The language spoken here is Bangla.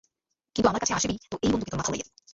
কিন্তু আমার কাছে আসিবি তো এই বন্দুকে তোর মাথা উড়াইয়া দিব।